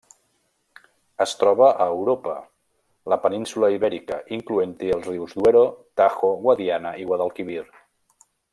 Es troba a Europa: la península Ibèrica, incloent-hi els rius Duero, Tajo, Guadiana i Guadalquivir.